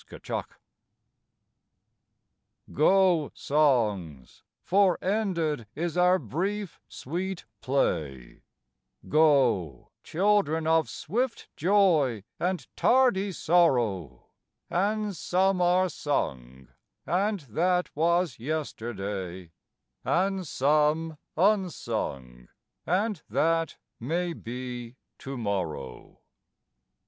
ENVOY Go, songs, for ended is our brief, sweet play; Go, children of swift joy and tardy sorrow: And some are sung, and that was yesterday, And some unsung, and that may be to morrow.